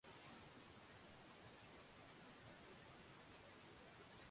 Injili ilisambaa kwa watu wa mataifa baada ya wayahudi kuikataa injili na kumuua Stefano